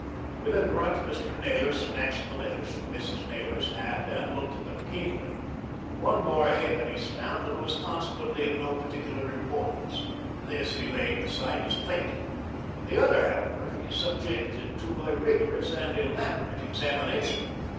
With a grunt Mr. Naylor snatched the letters from Mrs. Naylor's hand and looked at them keenly. One bore a halfpenny stamp, and was consequently of no particular importance. This he laid beside his plate. The other, however, he subjected to a rigorous and elaborate examination.